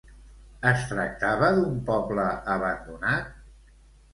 Es tractava d'un poble abandonat?